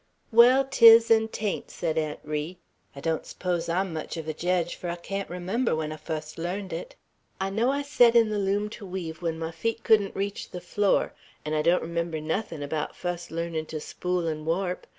"Wall, 'tis, an' 'tain't," said Aunt Ri. "I don't s'pose I'm much of a jedge; fur I can't remember when I fust learned it. I know I set in the loom to weave when my feet couldn't reach the floor; an' I don't remember nothin' about fust learnin' to spool 'n' warp.